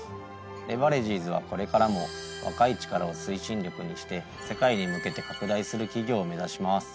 レバレジーズはこれからも若い力を推進力にして世界に向けて拡大する企業を目指します。